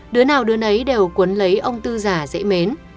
đứa nào đứa ấy đều cuốn lấy ông tư giả dễ mến